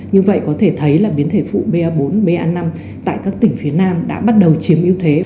như vậy có thể thấy là biến thể phụ ba bốn ba năm tại các tỉnh phía nam đã bắt đầu chiếm ưu thế